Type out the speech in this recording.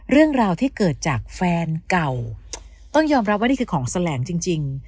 เรื่องราวที่เกิดจากแฟนเก่าต้องยอมรับว่านี่คือของแสลงจริง